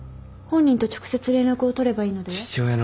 本人と直接連絡を取ればいいのでは？